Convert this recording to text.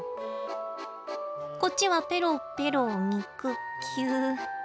こっちはペろペろ肉球。